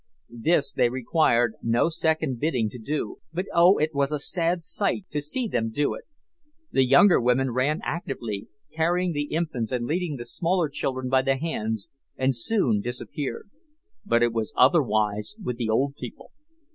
This they required no second bidding to do, but, oh! it was a sad sight to see them do it. The younger women ran actively, carrying the infants and leading the smaller children by the hands, and soon disappeared; but it was otherwise with the old people.